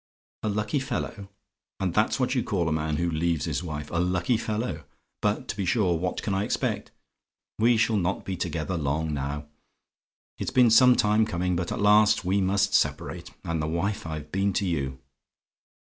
"A LUCKY FELLOW? "And that's what you call a man who leaves his wife a 'lucky fellow'? But, to be sure, what can I expect? We shall not be together long, now: it's been some time coming, but, at last, we must separate: and the wife I've been to you!